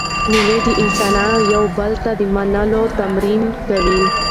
مېلې د انسانانو د یو بل منلو تمرین کوي.